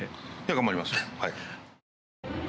頑張ります。